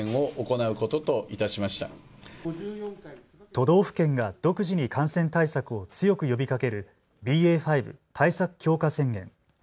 都道府県が独自に感染対策を強く呼びかけるＢＡ．５対策強化宣言。